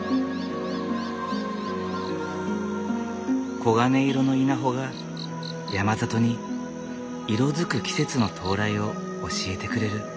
黄金色の稲穂が山里に色づく季節の到来を教えてくれる。